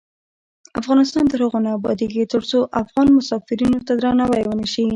افغانستان تر هغو نه ابادیږي، ترڅو افغان مسافرینو ته درناوی ونشي.